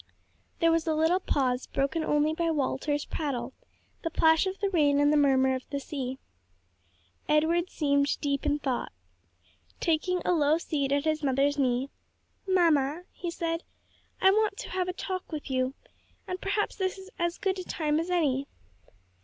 There was a little pause, broken only by Walter's prattle, the plash of the rain and the murmur of the sea. Edward seemed in deep thought. Taking a low seat at his mother's knee, "Mamma," he said, "I want to have a talk with you, and perhaps this is as good a time as any."